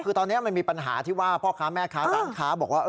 คือตอนนี้มันมีปัญหาที่ว่าพ่อค้าแม่ค้าร้านค้าบอกว่า